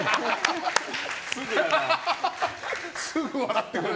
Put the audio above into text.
すぐ笑ってくれる。